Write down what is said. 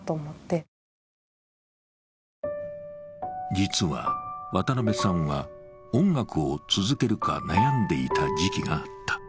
実は渡邉さんは音楽を続けるか悩んでいた時期があった。